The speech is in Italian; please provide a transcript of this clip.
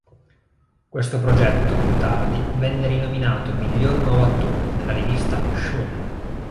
Questo progetto, più tardi, venne rinominato "Miglior Nuovo Attore" nella rivista "Shōnen".